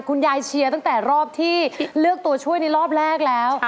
เชียร์ตั้งแต่รอบที่เลือกตัวช่วยในรอบแรกแล้ว